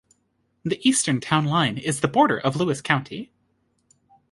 The eastern town line is the border of Lewis County.